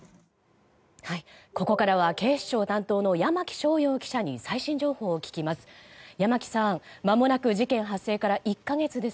ここからは警視庁担当の山木翔遥記者に最新情報を聞きます。